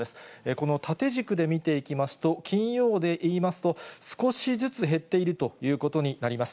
この縦軸で見ていきますと、金曜でいいますと、少しずつ減っているということになります。